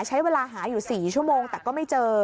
ใช้เวลาหาอยู่๔ชั่วโมงแต่ก็ไม่เจอ